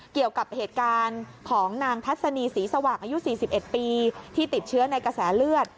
เกี่ยวกับเหตุการณ์ของนางทัศนีศรีสว่างอายุ๔๑ปีที่ติดเชื้อในกระแสเลือด